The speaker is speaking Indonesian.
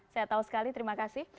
saya tahu sekali terima kasih